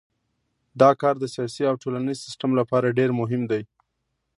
دا کار د سیاسي او ټولنیز سیستم لپاره ډیر مهم دی.